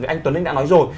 anh tuấn anh đã nói rồi